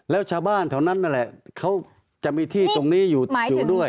แล้วชาวบ้านแถวนั้นนั่นแหละเขาจะมีที่ตรงนี้อยู่ด้วย